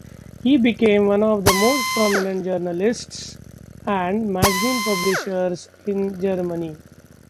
He became one of the most prominent journalists and magazine publishers in Germany.